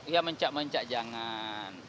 ya mencak mencak jangan